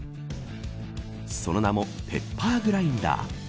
その名もペッパーグラインダー。